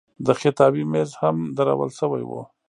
د خطابې میز هم درول شوی و.